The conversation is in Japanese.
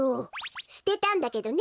すてたんだけどね！